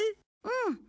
うん。